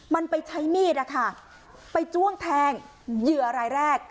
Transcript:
มันไปใช้มีดนะคะไปจ้วงแทงเหยื่อรายแรก